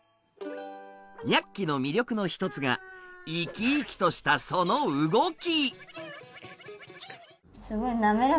ニャッキの魅力の一つが生き生きとしたその動き！